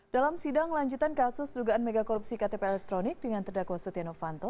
dalam sidang lanjutan kasus dugaan mega korupsi ktp elektronik dengan terdakwa setiano vanto